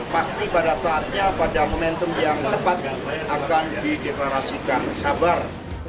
pasti pada saatnya pada momentum yang tepat akan dideklarasikan sabar